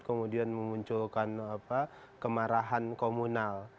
kemudian memunculkan kemarahan komunal